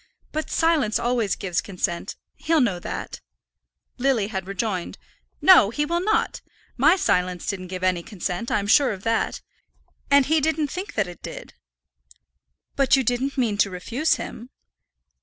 "But silence always gives consent. He'll know that," Lily had rejoined. "No, he will not; my silence didn't give any consent; I'm sure of that. And he didn't think that it did." "But you didn't mean to refuse him?"